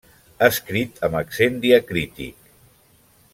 Escrit amb accent diacrític.